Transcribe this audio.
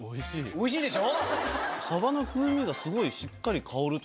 おいしいでしょ？